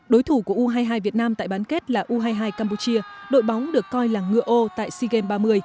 đối thủ của u hai mươi hai việt nam tại bán kết là u hai mươi hai campuchia đội bóng được coi là ngựa ô tại sea games ba mươi